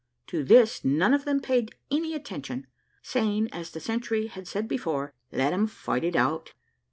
To this, none of them paid any attention, saying, as the sentry had said before, "Let them fight it out."